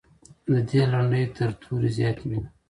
د دې لنډۍ تر تورې زیاتې وې.